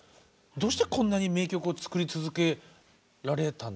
どうしてこんなに名曲を作り続けられたんでしょう？